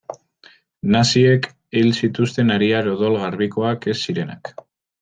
Naziek hil zituzten ariar odol garbikoak ez zirenak.